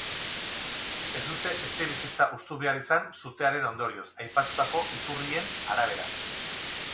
Ez dute etxebizitza hustu behar izan, sutearen ondorioz, aipatutako iturrien arabera.